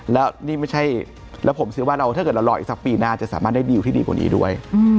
แล้วผมสิว่าถ้าเกิดเรารออีกสักปีหน้าจะสามารถได้ดีลที่ดีกว่านี้ด้วย